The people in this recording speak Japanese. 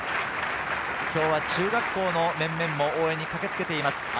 今日は中学校の面々も応援に駆けつけています。